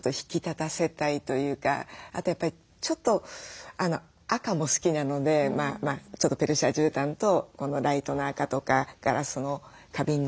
あとやっぱりちょっと赤も好きなのでちょっとペルシャじゅうたんとこのライトの赤とかガラスの花瓶の赤だったりして。